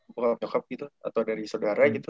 bapak nyokap gitu atau dari sodara gitu